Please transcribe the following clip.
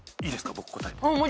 僕答えて。